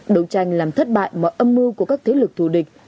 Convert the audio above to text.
đấu tranh làm thất bại mọi âm mưu của các thế lực thù địch